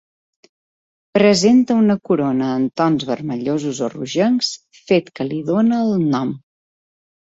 Presenta una corona amb tons vermellosos o rogencs, fet que li dóna el nom.